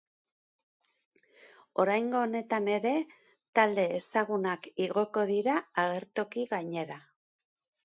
Oraingo honetan ere, talde ezagunak igoko dira agertoki gainera.